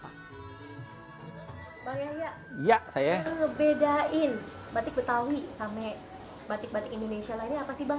bang yahya saya ngebedain batik betawi sama batik batik indonesia lainnya apa sih bang